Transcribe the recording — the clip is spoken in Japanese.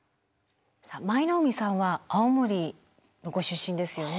さあ舞の海さんは青森のご出身ですよね。